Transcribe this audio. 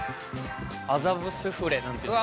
麻布スフレなんていうのも。